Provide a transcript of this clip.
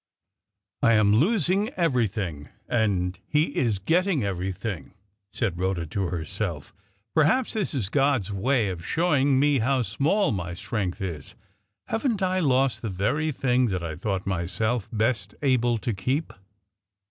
"I am losing everything, and he is getting everything," said Rhoda, to herself. "Perhaps this is God's way of showing me how small my strength is. Haven't I lost the very thing that I thought myself best able to keep?"